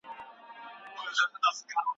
زه حیوانات خوښوم.